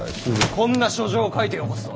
こんな書状を書いてよこすとは。